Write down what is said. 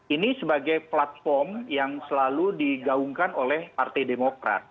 ini sebagai platform yang selalu digaungkan oleh partai demokrat